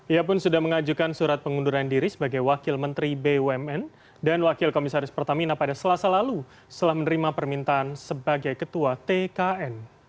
ia pun sudah mengajukan surat pengunduran diri sebagai wakil menteri bumn dan wakil komisaris pertamina pada selasa lalu setelah menerima permintaan sebagai ketua tkn